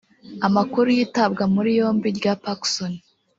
Amakuru y’itabwa muri yombi rya Pacson